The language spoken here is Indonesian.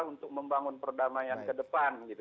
untuk membangun perdamaian kedepan gitu